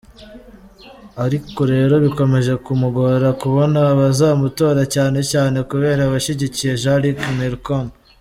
Ariko rero bikomeje kumugora kubona abazamutora cyane cyane kubera abashyigikiye Jean-Luc Mélenchon.